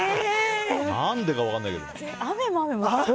何でか分からないけど。